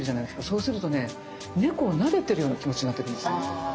そうするとね猫をなでてるような気持ちになってくるんですよ。